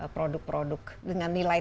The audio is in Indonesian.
produk produk dengan nilai